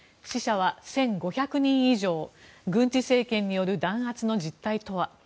１死者は１５００人以上軍事政権による弾圧の実態とは？